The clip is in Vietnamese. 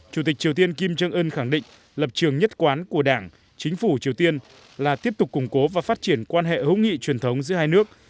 chủ tịch triều tiên kim trương ưn khẳng định lập trường nhất quán của đảng chính phủ triều tiên là tiếp tục củng cố và phát triển quan hệ hữu nghị truyền thống giữa hai nước